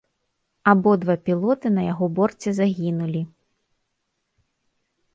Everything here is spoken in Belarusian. Абодва пілоты на яго борце загінулі.